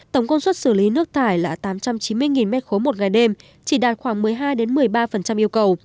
tổng công suất xử lý nước thải là tám trăm chín mươi m ba một ngày đêm chỉ đạt khoảng một mươi hai một mươi ba yêu cầu